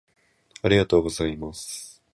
「ありがとうございます」